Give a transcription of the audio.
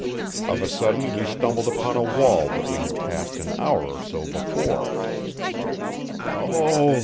Of a sudden we stumbled upon a wall that we had passed an hour or so before. 'Oh!'